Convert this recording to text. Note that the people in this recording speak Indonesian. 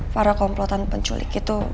para komplotan penculik itu